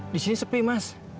di sini sepi mas